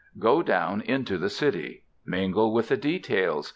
Go down into the city. Mingle with the details.